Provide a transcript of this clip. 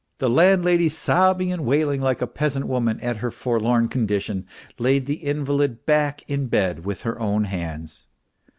The landlady, sobbing and wailing like a peasant woman at her forlorn condition, laid the invalid back in bed with her own hands.